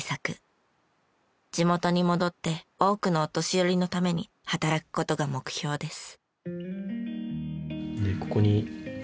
地元に戻って多くのお年寄りのために働く事が目標です。